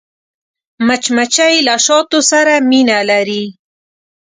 مچمچۍ له شاتو سره مینه لري